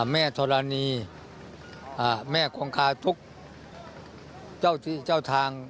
แม่ธรณีแม่คงคาทุกเจ้าที่เจ้าทาง